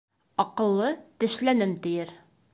Аҡыллы «тешләнем» тиер.